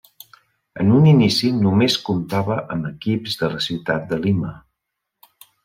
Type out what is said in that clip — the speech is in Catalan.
En un inici només comptava amb equips de la ciutat de Lima.